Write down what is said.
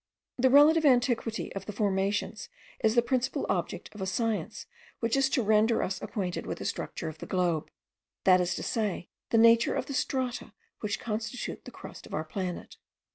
The relative antiquity of the formations is the principal object of a science which is to render us acquainted with the structure of the globe; that is to say, the nature of the strata which constitute the crust of our planet.)